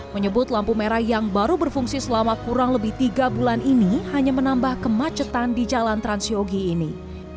menyebut lampu merah yang baru berfungsi selama kurang lebih tiga bulan ini hanya menambah kemacetan di jalan transyogi ini